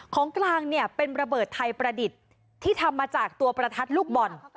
ของกลางเนี่ยเป็นระเบิดไทยประดิษฐ์ที่ทำมาจากตัวประทัดลูกบอล